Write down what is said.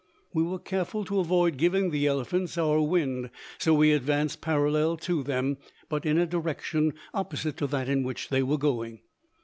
We were careful to avoid giving the elephants our wind, so we advanced parallel to them, but in a direction opposite to that in which they were going.